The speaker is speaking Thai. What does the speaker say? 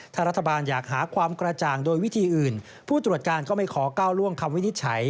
ถ้ารัฐบาลอยากหาความกระจ่างโดยวิธีอื่นผู้ตรวจการก็ไม่ขอก้าวล่วงคำวินิจฉัย